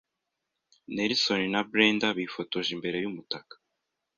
Nelson na Brendah bifotoje imbere y’umutaka